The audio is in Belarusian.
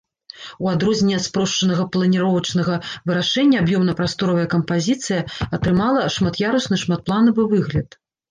У адрозненне ад спрошчанага планіровачнага вырашэння аб'ёмна-прасторавая кампазіцыя атрымала шмат'ярусны шматпланавы выгляд.